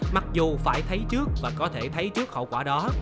mặc dù phải thấy trước và có thể thấy trước hậu quả đó